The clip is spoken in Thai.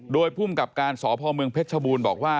โดยภูมิกับการสพเผชบูรณ์บอกว่า